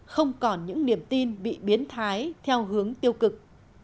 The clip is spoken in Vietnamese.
không còn những niềm tin bị biến thái theo hướng tiêu cực